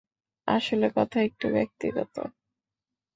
আসলে, কথা একটু ব্যক্তিগত।